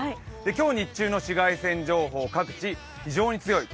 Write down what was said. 今日、日中の紫外線情報各地、非常に強い。